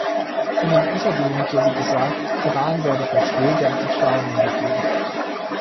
In dem Interview hatte sie gesagt, Iran werde von Schlägern und Gaunern regiert.